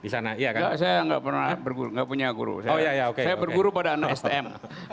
saya tidak pernah berguru tidak punya guru saya berguru pada anak stm